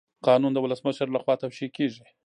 قانون د ولسمشر لخوا توشیح کیږي.